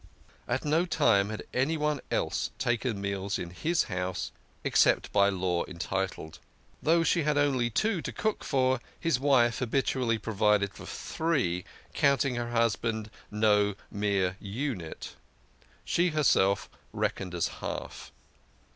At no time had anyone else taken meals in his house, except by law entitled. Though she had only two to cook for, his wife habitually provided for three, counting her husband no mere unit. Herself she reckoned as a half.